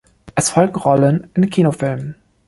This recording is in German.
Es folgen Rollen in Kinofilmen.